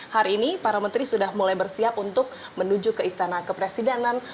hari ini para menteri sudah mulai bersiap untuk menuju ke istana kepresidenan